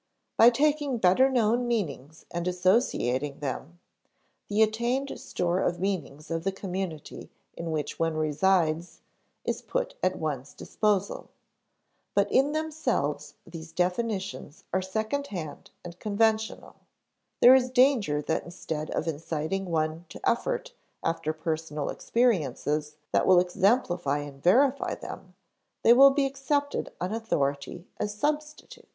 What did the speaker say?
By taking better known meanings and associating them, the attained store of meanings of the community in which one resides is put at one's disposal. But in themselves these definitions are secondhand and conventional; there is danger that instead of inciting one to effort after personal experiences that will exemplify and verify them, they will be accepted on authority as substitutes.